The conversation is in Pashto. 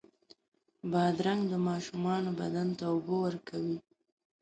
بادرنګ د ماشومانو بدن ته اوبه ورکوي.